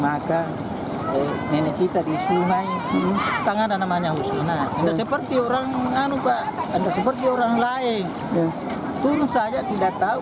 makan nenek kita di sunai tangan namanya usuna seperti orang orang lain turun saja tidak tahu